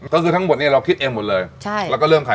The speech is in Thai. ก็คือทั้งหมดนี้เราคิดเองหมดเลย